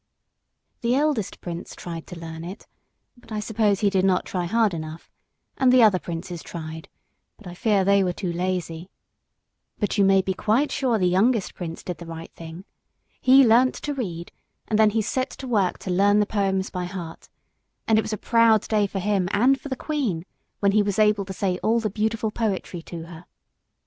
The eldest prince tried to learn it, but I suppose he did not try hard enough; and the other princes tried, but I fear they were too lazy. But you may be quite sure the youngest prince did the right thing. He learnt to read, and then he set to work to learn the poems by heart; and it was a proud day for him and for the Queen when he was able to say all the beautiful poetry to her.